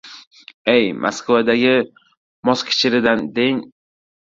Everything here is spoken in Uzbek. — E, Moskvadagi moshkichiridan deng?